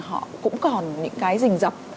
họ cũng còn những cái rình dọc